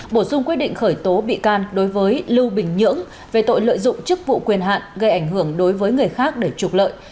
bổ sung quyết định khởi tố bị can đối với lưu bình nhưỡng về tội lợi dụng chức vụ quyền hạn gây ảnh hưởng đối với người khác để trục lợi